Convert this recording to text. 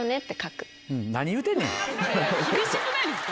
厳しくないですか？